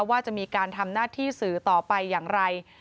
ว่าจะมีการทำหน้าที่สื่อต่อไปอย่างไร